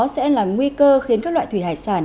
sẽ là nguy cơ khiến các loại thủy hải sản